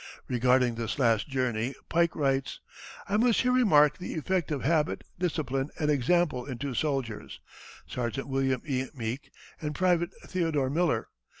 Regarding this last journey Pike writes: "I must here remark the effect of habit, discipline, and example in two soldiers (Sergeant William E. Meek and private Theodore Miller).